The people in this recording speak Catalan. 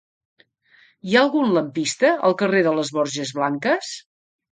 Hi ha algun lampista al carrer de les Borges Blanques?